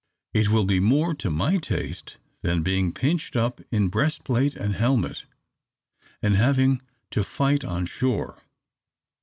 It will be more to my taste than being pinched up in breastplate and helmet, and having to fight on shore.